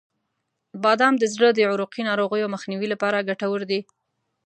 • بادام د زړه د عروقی ناروغیو مخنیوي لپاره ګټور دي.